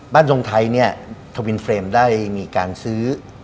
บ้านทรงไทยทวินเฟรมได้มีการซื้อ